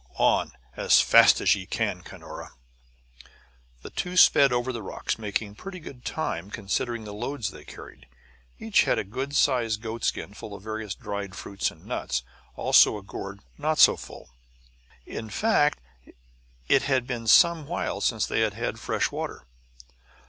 "On, as fast as ye can, Cunora!" The two sped over the rocks, making pretty good time considering the loads they carried. Each had a good sized goatskin full of various dried fruits and nuts, also a gourd not so full. In fact, it had been some while since they had had fresh water.